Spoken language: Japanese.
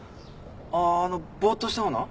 あああのぼっとした方な。